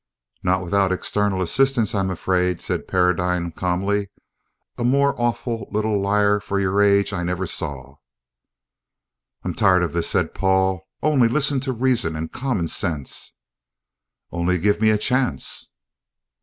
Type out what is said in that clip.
"Not without external assistance, I'm afraid," said Paradine calmly. "A more awful little liar for your age I never saw!" "I'm tired of this," said Paul. "Only listen to reason and common sense!" "Only give me a chance."